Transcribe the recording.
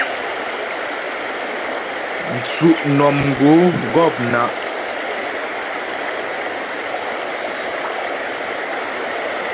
Tsʉ'mnɔmgǒ gɔ̂pnǎ'.